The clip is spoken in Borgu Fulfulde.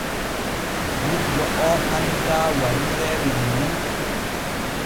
Gujjo oo handaa wariree nonnon.